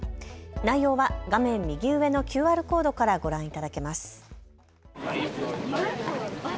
内容は画面右上のＱＲコードからご覧いただけます。